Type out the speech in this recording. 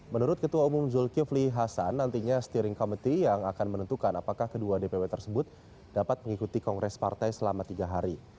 menurut ketua umum zulkifli hasan nantinya steering committee yang akan menentukan apakah kedua dpw tersebut dapat mengikuti kongres partai selama tiga hari